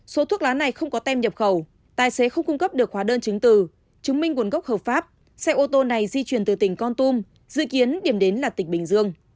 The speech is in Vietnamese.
số thuốc lá này không có tem nhập khẩu tài xế không cung cấp được hóa đơn chứng từ chứng minh nguồn gốc hợp pháp xe ô tô này di chuyển từ tỉnh con tum dự kiến điểm đến là tỉnh bình dương